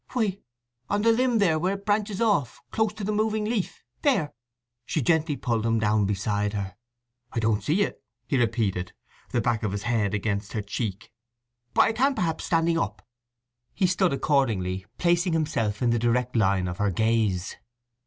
"Why, on the limb there where it branches off—close to the moving leaf—there!" She gently pulled him down beside her. "I don't see it," he repeated, the back of his head against her cheek. "But I can, perhaps, standing up." He stood accordingly, placing himself in the direct line of her gaze.